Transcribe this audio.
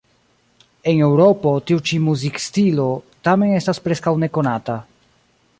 En Eŭropo tiu ĉi muzikstilo tamen estas preskaŭ nekonata.